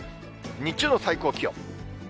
日中の最高気温。